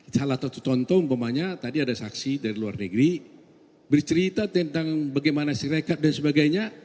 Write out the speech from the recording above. salah satu contoh umpamanya tadi ada saksi dari luar negeri bercerita tentang bagaimana sirekat dan sebagainya